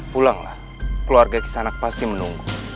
pulanglah keluarga kisah anak pasti menunggu